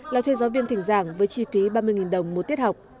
là thuê giáo viên thỉnh giảng với chi phí ba mươi đồng một tiết học